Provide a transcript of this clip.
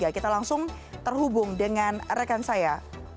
kita langsung terhubung dengan rekan saya